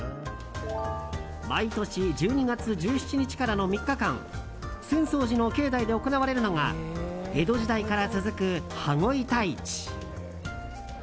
毎年１２月１７日からの３日間浅草寺の境内で行われるのが江戸時代から続く羽子板市。